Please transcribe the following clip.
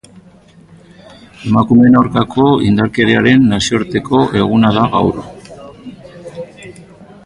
Emakumeen aurkako indarkeriaren nazioarteko eguna da gaur.